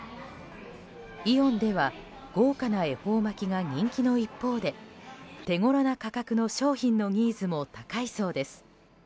イオンでは豪華な恵方巻きが人気の一方で手ごろな価格の商品のニーズも高いそうです。